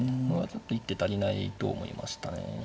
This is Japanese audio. ちょっと一手足りないと思いましたね。